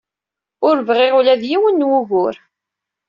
Ur bɣiɣ ula d yiwen n wugur.